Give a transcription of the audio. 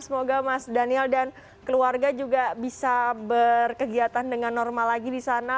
semoga mas daniel dan keluarga juga bisa berkegiatan dengan normal lagi di sana